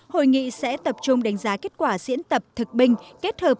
hội nghị sẽ tập trung đánh giá kết quả diễn tập thực binh kết hợp